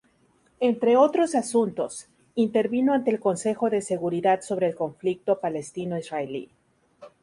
Entre otros asuntos, intervino ante el Consejo de Seguridad sobre el conflicto palestino-israelí.